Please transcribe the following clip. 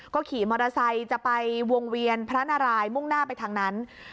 ก็ขี่มอเตอร์ไซค์จะไปวงเวียนพระนารายมุ่งหน้าไปทางนั้น